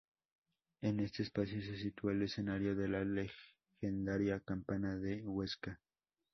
Es este espacio se sitúa el escenario de la legendaria "Campana de Huesca".